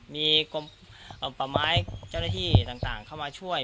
มีกรมป่าไม้เจ้าหน้าที่ต่างเข้ามาช่วย